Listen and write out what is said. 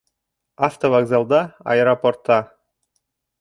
Автовокзалда, аэропортта